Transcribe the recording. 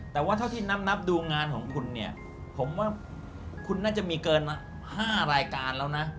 แต่ว่าเท่าที่นับดูงานของคุณเนี่ยผมว่าคุณน่าจะมีเกินมา๕รายการแล้วนะ